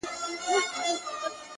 ته خو دا ټول کاينات خپله حافظه کي ساتې،